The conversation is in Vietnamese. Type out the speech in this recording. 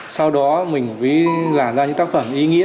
sau đó mình mới làm ra những tác phẩm ý nghĩa